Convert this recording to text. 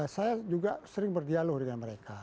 saya juga sering berdialog dengan mereka